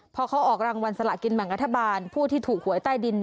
พอเขาออกรางวัลสละกินแบ่งรัฐบาลผู้ที่ถูกหวยใต้ดิน